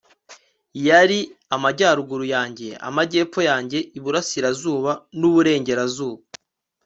Yari Amajyaruguru yanjye Amajyepfo yanjye Iburasirazuba nUburengerazuba